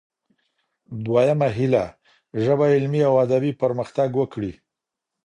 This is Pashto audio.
دويمه هيله: ژبه علمي او ادبي پرمختګ وکړي.